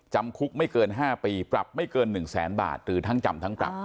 จำคุกไม่เกิน๕ปีปรับไม่เกิน๑แสนบาทหรือทั้งจำทั้งปรับ